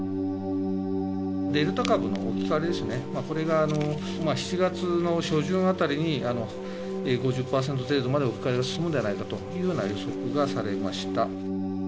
デルタ株の置き換わりですね、これが７月の初旬あたりに５０％程度まで置き換わりが進むのではないかというような予測がされました。